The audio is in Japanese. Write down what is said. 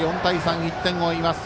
１点を追います。